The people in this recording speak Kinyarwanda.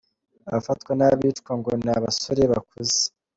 Abafatawa n’abicwa ngo ni abasore bakuze.